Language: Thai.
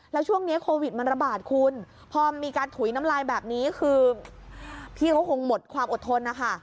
แล้วช่วงนี้โควิดมันระบาดคุณพอมีการถุยน้ำลายแบบนี้คือพี่เขาคงหมดความอดทนนะคะ